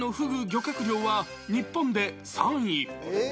漁獲量は日本で３位。